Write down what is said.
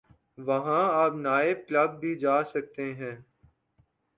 وہاں آپ night club بھی جا سکتے ہیں۔